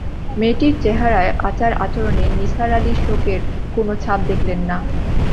মেয়েটির চেহারায় আচার-আচরণে নিসার আলি শোকের কোনো ছাপ দেখলেন না।